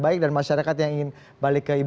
baik dan masyarakat yang ingin balik ke ibu